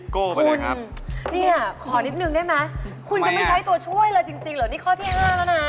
คุณเนี่ยขอนิดนึงได้ไหมคุณจะไม่ใช้ตัวช่วยเลยจริงเหรอนี่ข้อที่๕แล้วนะ